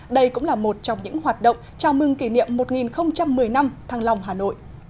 đây cũng là một trong những hoạt động chào mừng kỷ niệm một nghìn một mươi năm thăng long hà nội